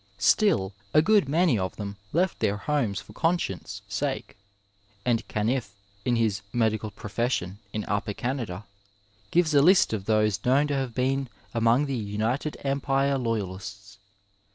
Still a good many of them left their homes for conscience' sake, and Cannifi, in his Medical Profession in Ujyper Canada^ gives a list of those known to have been among the United Empire Loyalists.